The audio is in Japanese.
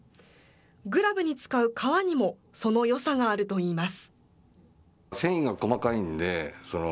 グラブに使う革にもそのよさがあるといいます。